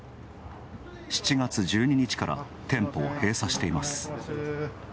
７月１２日から店舗を閉鎖しています。